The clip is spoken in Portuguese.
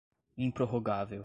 improrrogável